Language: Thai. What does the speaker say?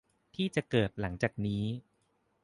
ที่จะเกิดขึ้นหลังจากนี้